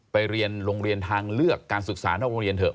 ไปเรียนโรงเรียนทางเลือกการศึกษานอกโรงเรียนเถอ